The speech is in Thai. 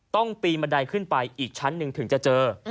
ปีนบันไดขึ้นไปอีกชั้นหนึ่งถึงจะเจอ